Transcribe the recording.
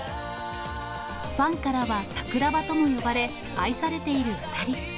ファンからは櫻葉とも呼ばれ、愛されている２人。